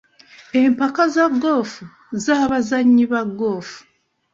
Empaka za goofu za bazannyi ba goofu.